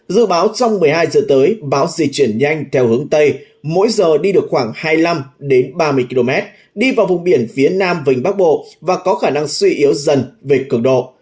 dự báo trong một mươi hai giờ tới bão di chuyển nhanh theo hướng tây mỗi giờ đi được khoảng hai mươi năm ba mươi km đi vào vùng biển phía nam vịnh bắc bộ và có khả năng suy yếu dần về cường độ